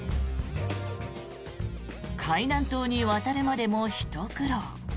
海南島に渡るまでもひと苦労。